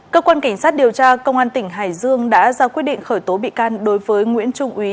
cơ quan cảnh sát điều tra công an tỉnh hải dương đã ra quyết định khởi tố bị can đối với nguyễn trung ý